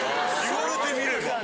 言われてみれば。